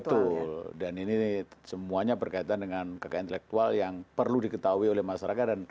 betul dan ini semuanya berkaitan dengan kekayaan intelektual yang perlu diketahui oleh masyarakat